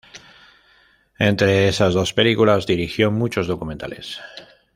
Entre esas dos películas, dirigió muchos documentales.